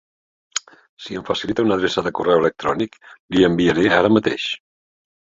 Si em facilita un adreça de correu electrònic, li enviaré ara mateix.